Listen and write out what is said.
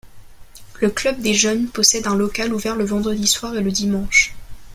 Le Club des jeunes possède un local, ouvert le vendredi soir et le dimanche.